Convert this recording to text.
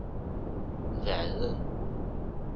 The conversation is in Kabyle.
Beɛden.